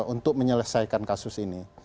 untuk menyelesaikan kasus ini